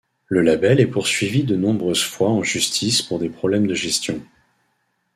Le label est poursuivi de nombreuses fois en justice pour des problèmes de gestion.